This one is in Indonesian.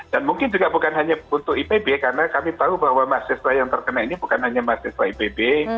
dan mungkin juga bukan hanya untuk ipb karena kami tahu bahwa mahasiswa yang terkena ini bukan hanya mahasiswa ipb